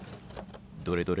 どれどれ？